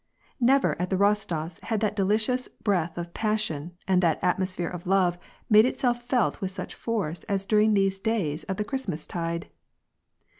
Never at the Kostofs had that delicious breath of passion, and that atmosphere of love made itself felt with such foroe tf during these days of the Christmastide.